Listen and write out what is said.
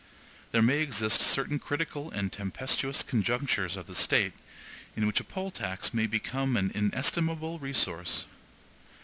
There may exist certain critical and tempestuous conjunctures of the State, in which a poll tax may become an inestimable resource.